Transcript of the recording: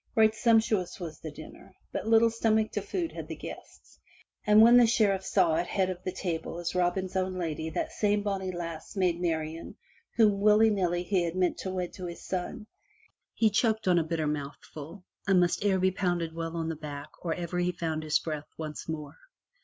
Right sumptuous was the dinner, but little stomach to food had 68 FROM THE TOWER WINDOW the guests, and when the Sheriff saw at head of the table as Robin*s own lady that same bonny lass, Maid Marian, whom, willy nilly, he had meant to wed to his son, he choked on a bitter mouthful and must e'en be pounded well on the back or ever he found his breath once more.